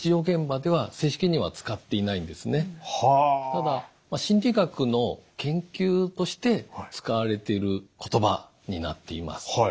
ただ心理学の研究として使われている言葉になっています。